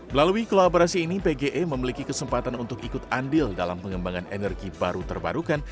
melalui kolaborasi ini pge memiliki kesempatan untuk ikut andil dalam pengembangan energi baru terbarukan